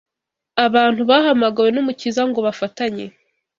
Abantu bahamagawe n’Umukiza ngo bafatanye